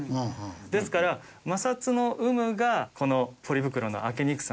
ですから摩擦の有無がこのポリ袋の開けにくさの原因になっている。